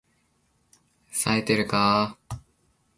冷えてるか～